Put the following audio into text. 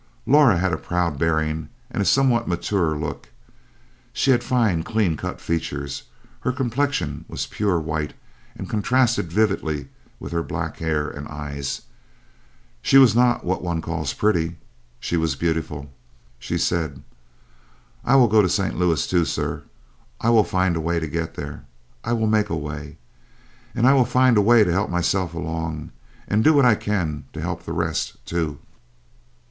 Laura had a proud bearing, and a somewhat mature look; she had fine, clean cut features, her complexion was pure white and contrasted vividly with her black hair and eyes; she was not what one calls pretty she was beautiful. She said: "I will go to St. Louis, too, sir. I will find a way to get there. I will make a way. And I will find a way to help myself along, and do what I can to help the rest, too."